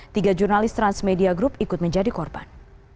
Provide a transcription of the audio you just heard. tiga jurnalis transmedia group ikut menjadi korban